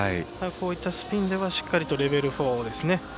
こういったスピンではしっかりとレベル４ですね。